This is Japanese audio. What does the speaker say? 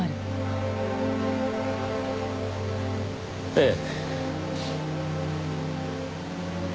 ええ。